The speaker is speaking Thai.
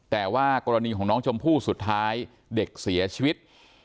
แต่ว่ากรณีของน้องชมพู่สุดท้ายเด็กเสียชีวิต